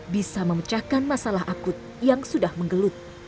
bisa memecahkan masalah akut yang sudah menggelut